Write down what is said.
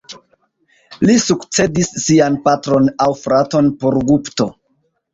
Li sukcedis sian patron aŭ fraton Purugupto.